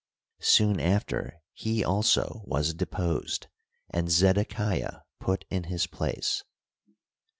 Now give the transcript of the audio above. Soon after he also was deposed, and Zedekiah put in his place.